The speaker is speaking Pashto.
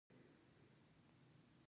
ایا زه باید کیچړي وخورم؟